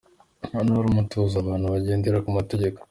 Hano hari umutuzo, abantu bagendera ku mategeko….